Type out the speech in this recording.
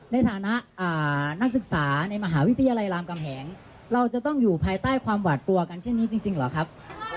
ในฐานะนักศึกษาในมหาวิทยาลัยรามกำแหงเราจะต้องอยู่ภายใต้ความหวาดกลัวกันเช่นนี้จริงเหรอครับ